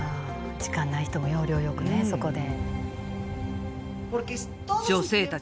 時間ない人も要領よくねそこで。